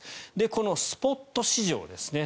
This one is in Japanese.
このスポット市場ですね